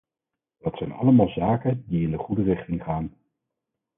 Dat zijn allemaal zaken die in de goede richting gaan.